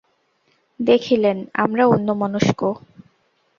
দেখিলেন, আমরা অন্যমনস্ক।